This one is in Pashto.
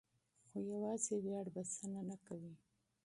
خو یوازې ویاړ بسنه نه کوي.